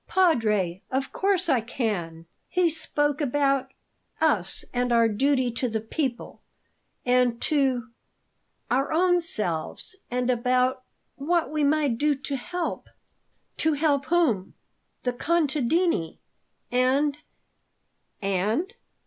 "Padre, of course I can. He spoke about us and our duty to the people and to our own selves; and about what we might do to help " "To help whom?" "The contadini and " "And?"